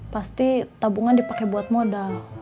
pasti tabungan dipakai buat modal